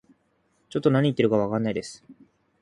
ちょっと何言ってるかわかんないです